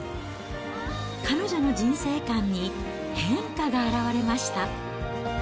彼女の人生観に変化が表れました。